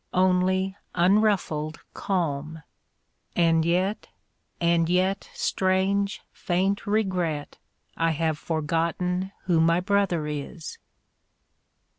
Only unruffled calm; and yet — and yet — Strange, faint regret — I have forgotten who my brother is!